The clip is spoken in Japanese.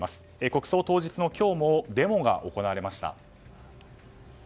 国葬当日の今日もデモが行われました。